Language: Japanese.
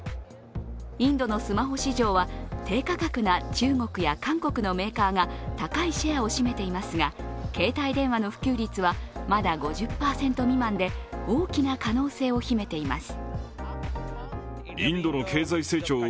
インドのスマホ市場は低価格な中国や韓国のメーカーが高いシェアを占めていますが、携帯電話の普及率はまだ５０％未満で大きな可能性を秘めています。